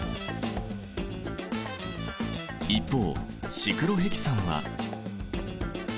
一方シクロヘキサンは。